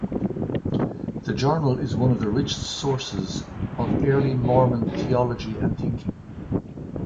The "Journal" is one of the richest sources of early Mormon theology and thinking.